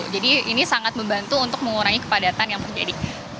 jadi ini sangat membantu untuk mengurangi kepadatan yang terjadi